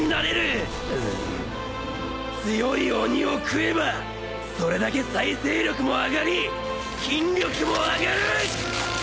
強い鬼を食えばそれだけ再生力も上がり筋力も上がる！